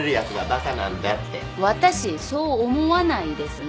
ワタシそう思わないですね。